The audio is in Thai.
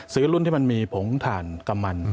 รุ่นที่มันมีผงถ่านกำมัน